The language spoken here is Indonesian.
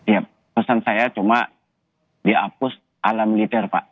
ya pesan saya cuma dihapus ala militer pak